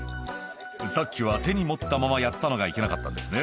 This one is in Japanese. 「さっきは手に持ったままやったのがいけなかったんですね」